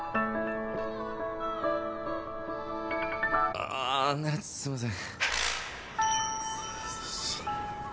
ああすいません。